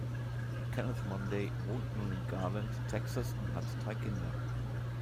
Kenneth Monday wohnt nun in Garland, Texas und hat drei Kinder.